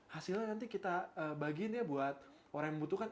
hasilnya nanti kita bagiin ya buat orang yang membutuhkan